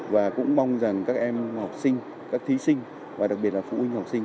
và cũng mong rằng các em học sinh các thí sinh và đặc biệt là phụ huynh học sinh